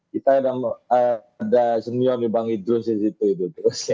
kita ada semiaw nih bang idrus disitu